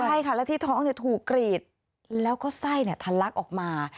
ใช่ค่ะแล้วที่ท้องเนี่ยถูกกรีดแล้วก็ไส้เนี่ยทันลักออกมา